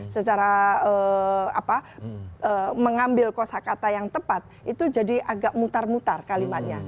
secara mengambil kosa kata yang tepat itu jadi agak mutar mutar kalimatnya